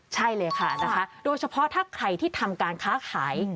ใช่เลยค่ะนะคะโดยเฉพาะถ้าใครที่ทำการค้าขาย